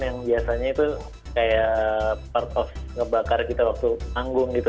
yang biasanya itu kayak part of ngebakar kita waktu panggung gitu